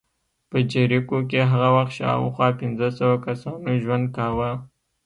په جریکو کې هغه وخت شاوخوا پنځه سوه کسانو ژوند کاوه